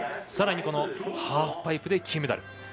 さらにハーフパイプで金メダル。